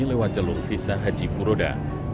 lewat jalur visa haji furoda